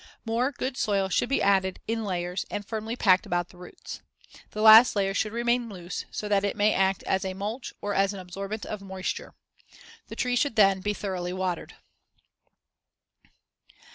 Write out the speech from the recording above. More good soil should be added (in layers) and firmly packed about the roots. The last layer should remain loose so that it may act as a mulch or as an absorbent of moisture. The tree should then be thoroughly watered.